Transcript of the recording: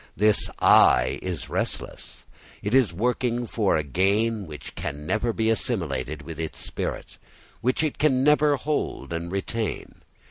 This "I" is restless. It is working for a gain which can never be assimilated with its spirit, which it never can hold and retain.